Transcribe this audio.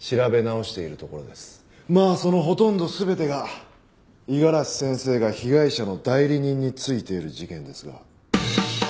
まあそのほとんど全てが五十嵐先生が被害者の代理人についている事件ですが。